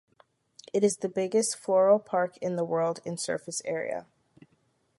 It is the biggest floral park in the world in surface area.